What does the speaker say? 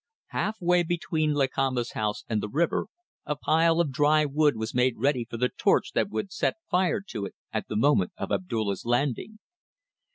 Half way between Lakamba's house and the river a pile of dry wood was made ready for the torch that would set fire to it at the moment of Abdulla's landing.